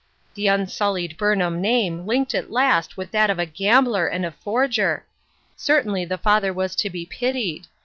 ,: The unsullied Burnham name linked at last with that of a gambler and a forger! Certainly the father was to be pitied